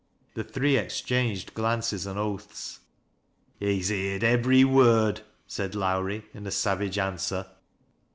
The thi ee exchanged glances and oaths. "He's heerd iyrery word," said Lowrie, in a savage answer.